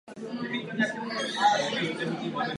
Lze ji hrát takřka kdekoli.